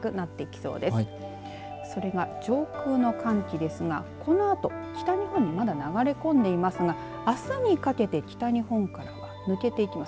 それが上空の寒気ですがこのあと北日本にまだ流れ込んでいますがあすにかけて北日本からは抜けていきます。